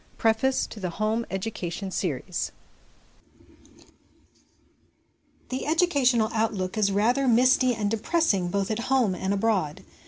Preface to the c Home Education' Series THE educational outlook is rather misty and depressing both at home and abroad.